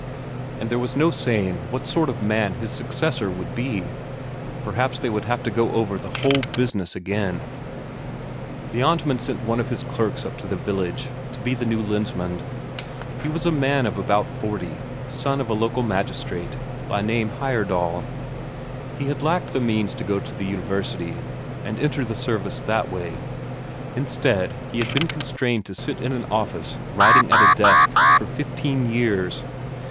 And there was no saying what sort of man his successor would be perhaps they would have to go over the whole business again! The Amtmand [Footnote: Governor of a country] sent one of his clerks up to the village, to be the new Lensmand. He was a man about forty, son of a local magistrate, by name Heyerdahl. He had lacked the means to go to the university and enter the service that way; instead, he had been constrained to sit in an office, writing at a desk, for fifteen years.